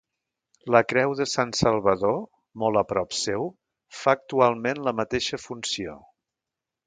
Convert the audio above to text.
La creu de Sant Salvador, molt a prop seu, fa actualment la mateixa funció.